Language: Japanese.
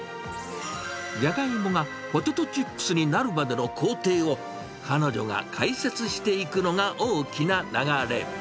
ジャガイモがポテトチップスになるまでの工程を、彼女が解説していくのが、大きな流れ。